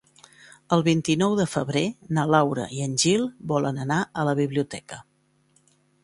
El vint-i-nou de febrer na Laura i en Gil volen anar a la biblioteca.